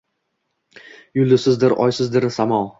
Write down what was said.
Yulduzsizdir, oysizdir samo.